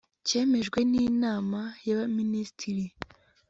cyemejwe n Inama y Abaminisitiri